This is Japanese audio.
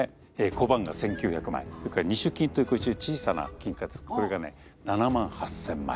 小判が１，９００枚それから二朱金という小さな金貨これがね７万８，０００枚。